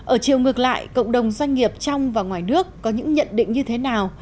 ở chiều ngược lại cộng đồng doanh nghiệp trong và ngoài nước có những nhận định như thế nào